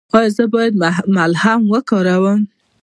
ایا زه باید ملهم وکاروم؟